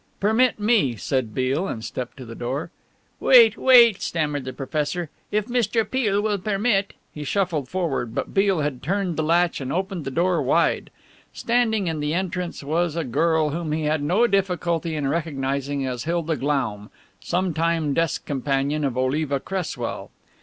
"Permit me," said Beale, and stepped to the door. "Wait, wait," stammered the professor, "if Mr. Peale will permit " He shuffled forward, but Beale had turned the latch and opened the door wide. Standing in the entrance was a girl whom he had no difficulty in recognizing as Hilda Glaum, sometime desk companion of Oliva Cresswell.